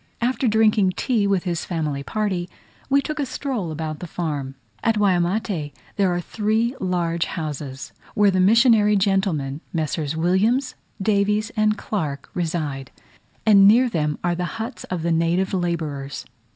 After drinking tea with his family party, we took a stroll about the farm. At Waimate there are three large houses, where the missionary gentlemen, Messrs. Williams, Davies, and Clarke, reside; and near them are the huts of the native labourers.